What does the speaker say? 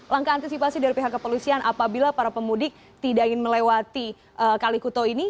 langkah antisipasi dari pihak kepolisian apabila para pemudik tidak ingin melewati kalikuto ini